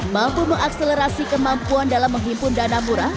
mampu mengakselerasi kemampuan dalam menghimpun dana murah